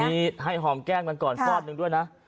มีให้หอมแก้มกันก่อนฟอดหนึ่งด้วยนะ